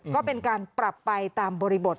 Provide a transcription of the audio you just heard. ก็เป็นการปรับไปตามบริบท